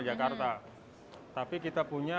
jakarta tapi kita punya